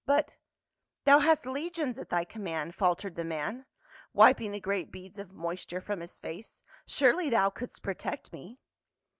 " But — thou hast legions at thy command," faltered the man, wiping the great beads of moisture from his face. " Surely thou couldst protect me."